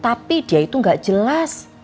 tapi dia itu nggak jelas